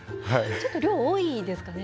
ちょっと量多いですかね。